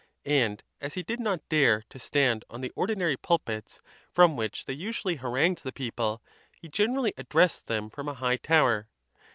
.And as he did _ not dare to stand on the ordinary pulpits from which they usually harangued the people, he generally addressed them from a high tower.